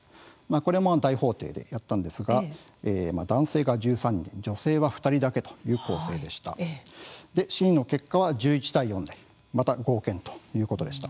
これも大法廷でやったんですが男性が１３人女性は２人だけということでした。